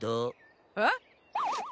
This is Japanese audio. えっ？